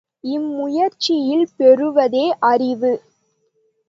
இம்முயற்சியில் பெறுவதே அறிவு.